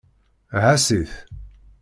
Ɛass-it.